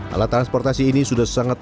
alat transportasi ini sudah sangat